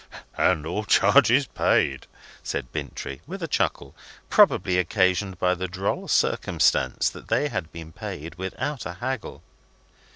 "And all charges paid," said Bintrey, with a chuckle: probably occasioned by the droll circumstance that they had been paid without a haggle.